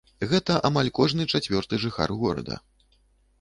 Гэта амаль кожны чацвёрты жыхар горада.